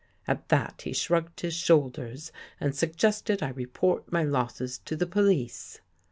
At that he shrugged his shoulders and suggested I report my losses to the police.